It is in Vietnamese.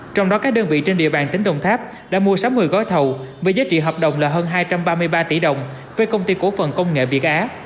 trong đó các đơn vị trên địa bàn tỉnh đồng tháp đã mua sáu mươi gói thầu với giá trị hợp đồng là hơn hai trăm ba mươi ba tỷ đồng với công ty cổ phần công nghệ việt á